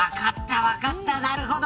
わかった、なるほど。